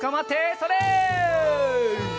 それ！